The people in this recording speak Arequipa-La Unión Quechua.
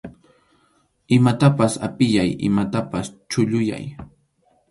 Imatapas apiyay, imatapas chulluyay.